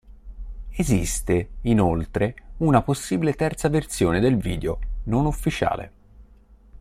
Esiste inoltre una possibile terza versione del video, non ufficiale.